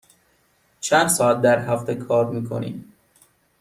چند ساعت در هفته کار می کنی؟